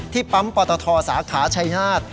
ปั๊มปตทสาขาชัยนาฏ